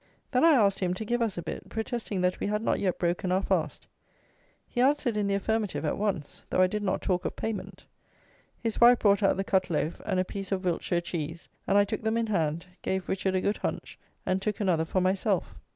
Then I asked him to give us a bit, protesting that we had not yet broken our fast. He answered in the affirmative at once, though I did not talk of payment. His wife brought out the cut loaf, and a piece of Wiltshire cheese, and I took them in hand, gave Richard a good hunch, and took another for myself.